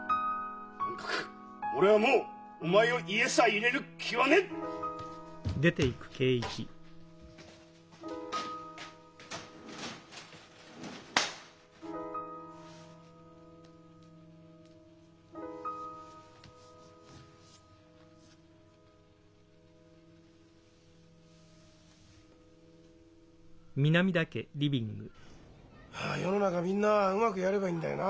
とにかく俺はもうお前を家さ入れる気はねえ！はあ世の中みんなうまくやればいいんだよな。